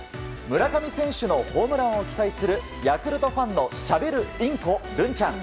村上選手のホームランを期待するヤクルトファンのしゃべるインコるんちゃん。